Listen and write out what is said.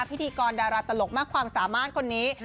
พิธีกรดาราตลกมากความสามารถคนนี้